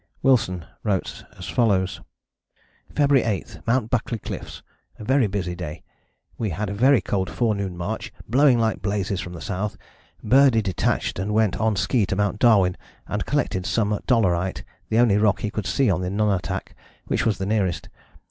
Wilson wrote as follows: "February 8, Mt. Buckley Cliffs. A very busy day. We had a very cold forenoon march, blowing like blazes from the S. Birdie detached and went on ski to Mt. Darwin and collected some dolerite, the only rock he could see on the Nunatak, which was nearest.